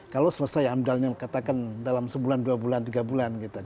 kalau selesai ya dalam sebulan dua bulan tiga bulan